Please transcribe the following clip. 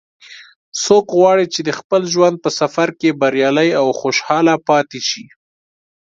څوک غواړي چې د خپل ژوند په سفر کې بریالی او خوشحاله پاتې شي